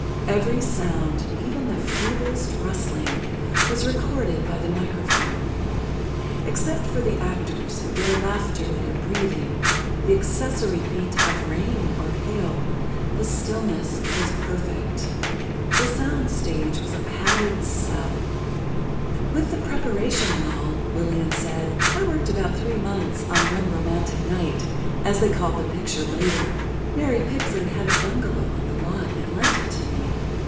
Every sound, even the feeblest rustling, was recorded by the microphone. Except for the actors, their laughter, their breathing, the accessory beat of rain, or hail, the stillness was perfect. The sound stage was a padded cell. [Illustration: "THE FIRST LADY OF THE SCREEN"] "With the preparation and all," Lillian said, "I worked about three months on 'One Romantic Night,' as they called the picture later. Mary Pickford has a bungalow on the lot, and lent it to me.